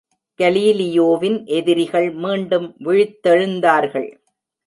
கலீலியோவின் எதிரிகள் மீண்டும் விழித்தெழுந்தார்கள்.